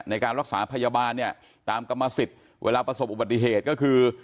ในการรักษาพยาบาลเนี่ยตามกรรมสิทธิ์เวลาประสบอุบัติเหตุก็คือ